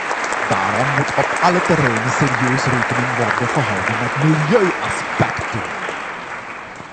Daarom moet op alle terreinen serieus rekening worden gehouden met milieuaspecten.